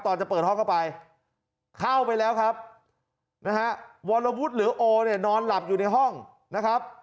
ตอนแปลว่าเข้าไปแล้วครับวารวุทธหรือโง่เนี่ยนอนหลับอยู่ในห้องนะครับ